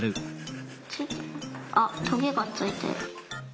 あっトゲがついてる。